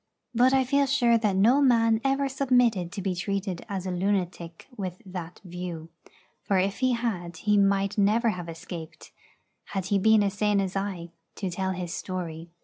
But I feel sure that no man ever submitted to be treated as a lunatic with that view; for if he had he might never have escaped, had he been as sane as I, to tell his story.